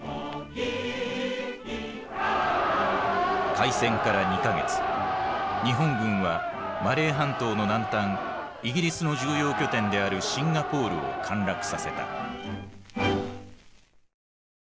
開戦から２か月日本軍はマレー半島の南端イギリスの重要拠点であるシンガポールを陥落させた。